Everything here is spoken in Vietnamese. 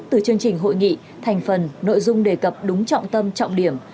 từ chương trình hội nghị thành phần nội dung đề cập đúng trọng tâm trọng điểm